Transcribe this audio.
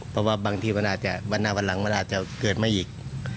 เพราะว่ามันจะเกิดมาอีก